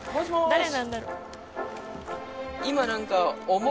誰なんだろう？